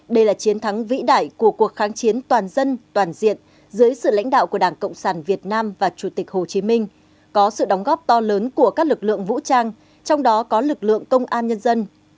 đây là chiến thắng vĩ đại của cuộc kháng chiến toàn dân toàn diện dưới sự lãnh đạo của đảng cộng sản việt nam và chủ tịch hồ chí minh có sự đóng góp to lớn của các lực lượng vũ trang trong đó có lực lượng công an nhân dân